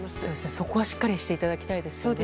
そこはしっかりしていただきたいですね。